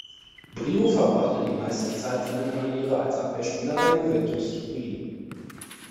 Brio verbrachte die meiste Zeit seiner Karriere als Abwehrspieler bei Juventus Turin.